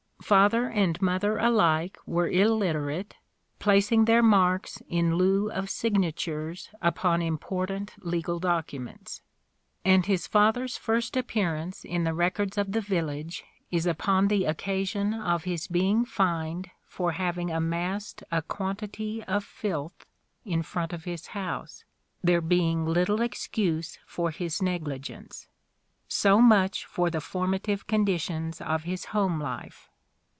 Father and mother alike were illiterate, placing their marks in lieu of signatures upon important legal documents : and his father's first appearance in the records of the village is upon the occasion of his being fined for having amassed a quantity of filth in front of his house, there being " little excuse for his negligence." So much for the formative conditions of his home life.